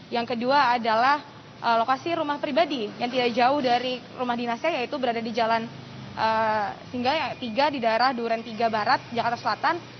yang kedua adalah lokasi rumah pribadi yang tidak jauh dari rumah dinasnya yaitu berada di jalan singgah tiga di daerah duren tiga barat jakarta selatan